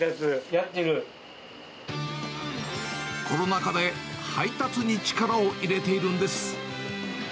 コロナ禍で配達に力を入れているんです。